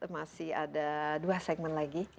masih ada dua segmen lagi